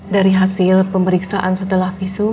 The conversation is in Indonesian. dari hasil pemeriksaan setelah visum